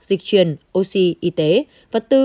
dịch truyền oxy y tế vật tư